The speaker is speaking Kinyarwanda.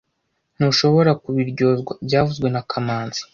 Ntushobora kubiryozwa byavuzwe na kamanzi